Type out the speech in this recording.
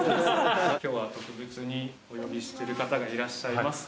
今日は特別にお呼びしてる方がいらっしゃいます。